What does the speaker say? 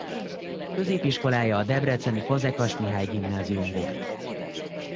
Középiskolája a debreceni Fazekas Mihály Gimnázium volt.